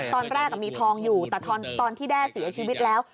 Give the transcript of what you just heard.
ตอนแรกมีทองอยู่แต่ตอนที่แด้เสียชีวิตแล้ว